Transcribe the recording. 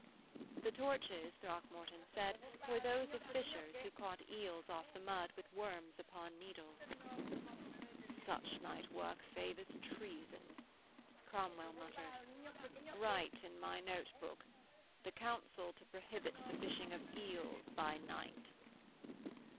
The torches, Throckmorton said, were those of fishers who caught eels off the mud with worms upon needles. 'Such night work favours treason,' Cromwell muttered. 'Write in my notebook, "The Council to prohibit the fishing of eels by night."'